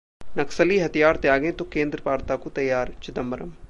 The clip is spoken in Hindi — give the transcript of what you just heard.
नक्सली हथियार त्यागें, तो केंद्र वार्ता को तैयार: चिदंबरम